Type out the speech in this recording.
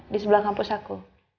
di sebelah kampus aku